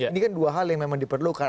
ini kan dua hal yang memang diperlukan